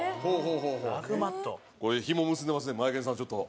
これヒモ結んでますんでマエケンさんちょっと。